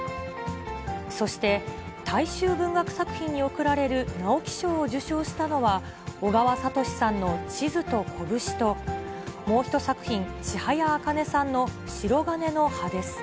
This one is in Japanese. そして、大衆文学作品に贈られる直木賞を受賞したのは、小川哲さんの地図と拳と、もう１作品、千早茜さんのしろがねの葉です。